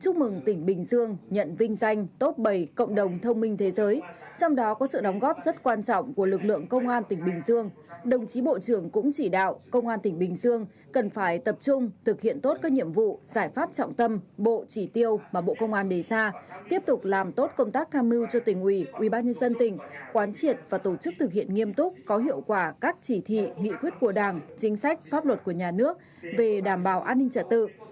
chúc mừng tỉnh bình dương nhận vinh danh tốt bảy cộng đồng thông minh thế giới trong đó có sự đóng góp rất quan trọng của lực lượng công an tỉnh bình dương đồng chí bộ trưởng cũng chỉ đạo công an tỉnh bình dương cần phải tập trung thực hiện tốt các nhiệm vụ giải pháp trọng tâm bộ chỉ tiêu mà bộ công an đề ra tiếp tục làm tốt công tác tham mưu cho tỉnh ủy ủy bác nhân dân tỉnh quán triển và tổ chức thực hiện nghiêm túc có hiệu quả các chỉ thị nghị quyết của đảng chính sách pháp luật của nhà nước về đảm bảo an ninh trả tự